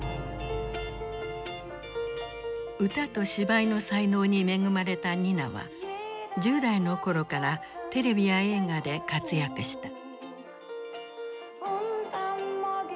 歌と芝居の才能に恵まれたニナは１０代の頃からテレビや映画で活躍した。